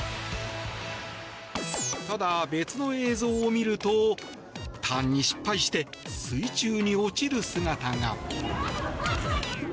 ただ、別の映像を見るとターンに失敗して水中に落ちる姿が。